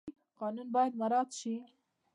قانون باید مراعات شي